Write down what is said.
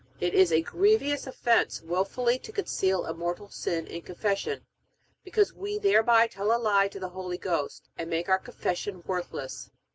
It is a grievous offense wilfully to conceal a mortal sin in Confession, because we thereby tell a lie to the Holy Ghost, and make our Confession worthless.